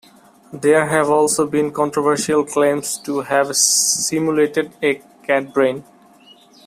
There have also been controversial claims to have simulated a cat brain.